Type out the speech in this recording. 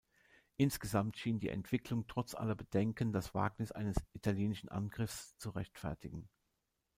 Insgesamt schien die Entwicklung trotz aller Bedenken das Wagnis eines italienischen Angriffs zu rechtfertigen.